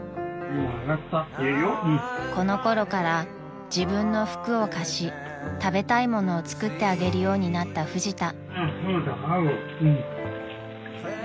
［この頃から自分の服を貸し食べたいものを作ってあげるようになったフジタ］